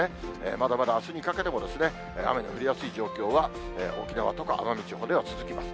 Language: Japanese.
まだまだ、あすにかけても雨の降りやすい状況は、沖縄とか奄美地方では続きます。